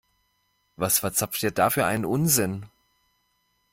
Was verzapft ihr da für einen Unsinn?